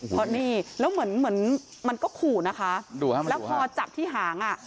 เพราะนี่แล้วเหมือนเหมือนมันก็ขู่นะคะแล้วพอจับที่หางอ่ะ